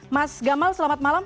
mas gamal selamat malam